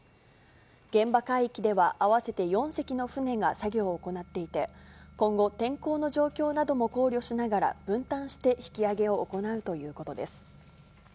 現場海域では合わせて４隻の船が作業を行っていて、今後、天候の状況なども考慮しながら分担して引き揚げを行うということです。